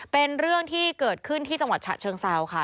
เป็นเรื่องที่เกิดขึ้นที่จังหวัดฉะเชิงเซาค่ะ